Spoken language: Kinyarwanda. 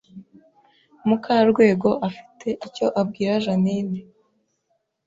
Mukarwego afite icyo abwira Jeaninne